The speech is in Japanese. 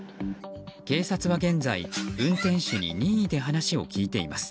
警察は現在、運転手に任意で話を聞いています。